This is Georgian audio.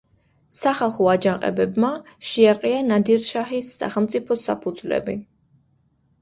სახალხო აჯანყებებმა შეარყია ნადირ-შაჰის სახელმწიფოს საფუძვლები.